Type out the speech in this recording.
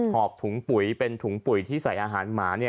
หอบถุงปุ๋ยเป็นถุงปุ๋ยที่ใส่อาหารหมา